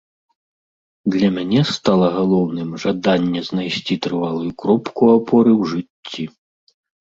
Для мяне стала галоўным жаданне знайсці трывалую кропку апоры ў жыцці.